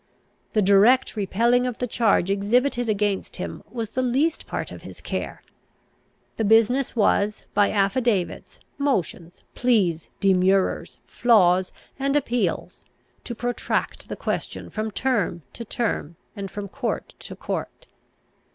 The direct repelling of the charge exhibited against him was the least part of his care; the business was, by affidavits, motions, pleas, demurrers, flaws, and appeals, to protract the question from term to term, and from court to court.